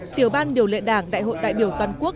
tiểu ban điều lệ đảng đại hội đại biểu toàn quốc